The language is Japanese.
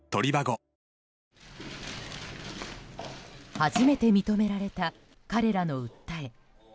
初めて認められた彼らの訴え。